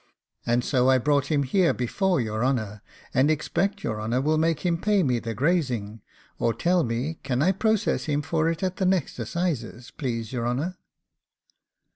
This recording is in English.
And so I brought him here before your honour, and expect your honour will make him pay me the grazing, or tell me, can I process him for it at the next assizes, please your honour?